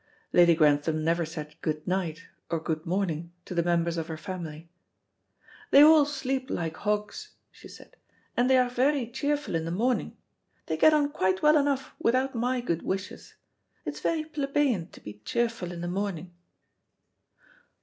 Lady Grantham never said "good night" or "good morning" to the members of her family. "They all sleep like hogs," she said, "and they are very cheerful in the morning. They get on quite well enough without my good wishes. It is very plebeian to be cheerful in the morning."